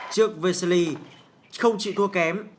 trước vesely không chịu thua kém